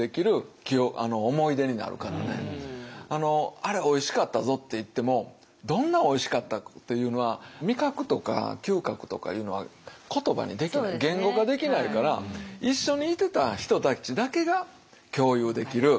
「あれおいしかったぞ」って言ってもどんなおいしかったっていうのは味覚とか嗅覚とかいうのは言葉にできない言語化できないからこのお三方がまさに。